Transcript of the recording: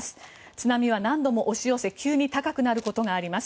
津波は何度も押し寄せ急に高くなることがあります。